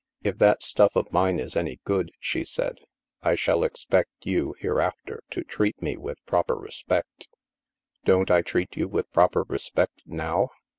" If that stuff of mine is any good," she said, " I shall expect you, hereafter, to treat me with proper respect." " Don't I treat you with proper respect now?